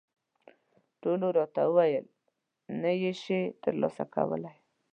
ټولو راته وویل، نه یې شې ترلاسه کولای.